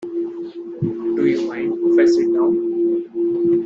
Do you mind if I sit down?